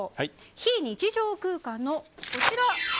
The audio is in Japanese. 非日常空間のこちら！